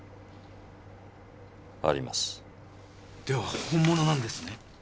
では本物なんですね？